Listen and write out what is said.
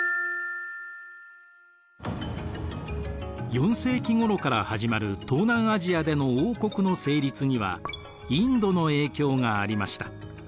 ４世紀ごろから始まる東南アジアでの王国の成立にはインドの影響がありました。